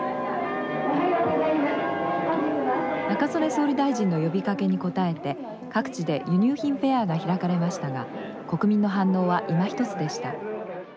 「中曽根総理大臣の呼びかけに応えて各地で輸入品フェアが開かれましたが国民の反応はいまひとつでした」。